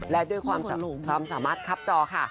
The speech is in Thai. และด้วยความสามารถคับจอค่ะ